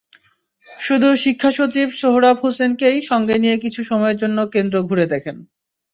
শুধু শিক্ষাসচিব সোহরাব হোসাইনকে সঙ্গে নিয়ে কিছু সময়ের জন্য কেন্দ্র ঘুরে দেখেন।